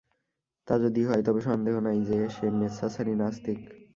তা যদি হয় তবে সন্দেহ নাই যে সে মেচ্ছাচারী নাস্তিক।